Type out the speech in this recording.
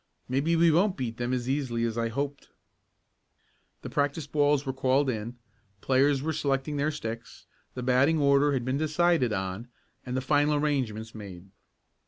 Maybe we won't beat them as easily as I hoped." The practice balls were called in, players were selecting their sticks, the batting order had been decided on, and the final arrangements made.